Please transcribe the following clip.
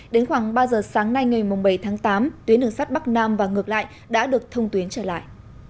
đến khoảng ba giờ sáng nay ngày bảy tháng tám tuyến đường sắt bắc nam và ngược lại đã được thông tuyến trở lại